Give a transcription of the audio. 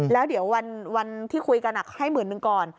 แล้วเดี๋ยววันที่คุยกันให้หมื่นหนึ่งก่อน